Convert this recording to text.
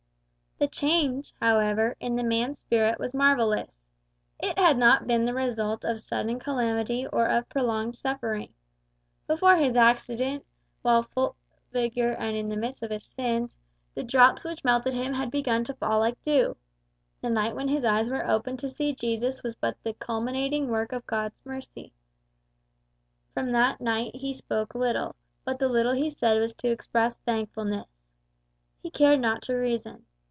The change, however, in the man's spirit was marvellous. It had not been the result of sudden calamity or of prolonged suffering. Before his accident, while in full vigour and in the midst of his sins, the drops which melted him had begun to fall like dew. The night when his eyes were opened to see Jesus was but the culminating of God's work of mercy. From that night he spoke little, but the little he said was to express thankfulness. He cared not to reason.